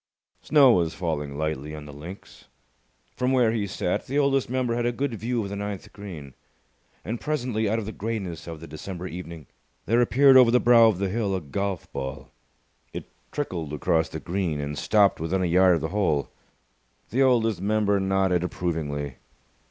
Snow was falling lightly on the links. From where he sat, the Oldest Member had a good view of the ninth green; and presently, out of the greyness of the December evening, there appeared over the brow of the hill a golf ball. It trickled across the green, and stopped within a yard of the hole. The Oldest Member nodded approvingly.